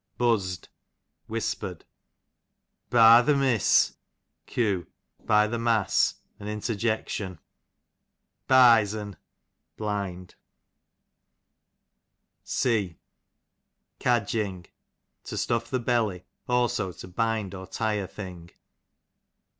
Buzz'd, whisper'd. Byth' miss, q. by the mass, an interjection. Byzen, bliiul. C Cadgikg, to stuff the belly ; also to bind or tie a thing.